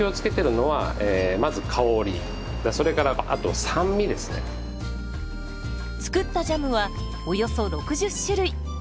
僕が作ったジャムはおよそ６０種類。